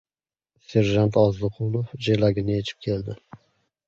Serjant Orziqulov jelagini yechib keldi.